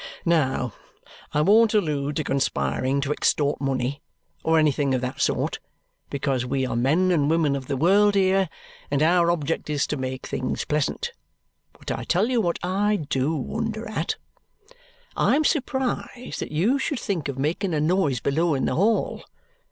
Now I won't allude to conspiring to extort money or anything of that sort, because we are men and women of the world here, and our object is to make things pleasant. But I tell you what I DO wonder at; I am surprised that you should think of making a noise below in the hall.